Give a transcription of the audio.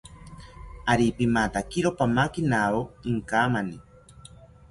Ari pimatakiro pamakinawo inkamani